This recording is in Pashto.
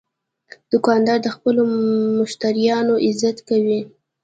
دوکاندار د خپلو مشتریانو عزت کوي.